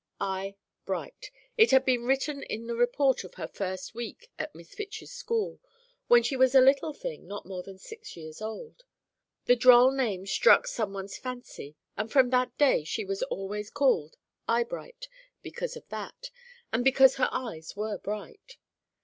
"I. Bright" it had been written in the report of her first week at Miss Fitch's school, when she was a little thing not more than six years old. The droll name struck some one's fancy and from that day she was always called Eyebright because of that, and because her eyes were bright.